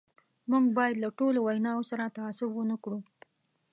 موږ باید له ټولو ویناوو سره تعصب ونه کړو.